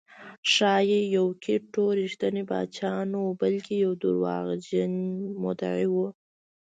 ښایي یوکیت ټو رښتینی پاچا نه بلکې یو دروغجن مدعي و